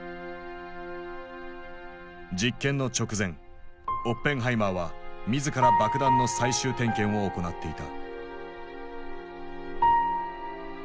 実験の直前オッペンハイマーは自ら爆弾の最終点検を行っていた。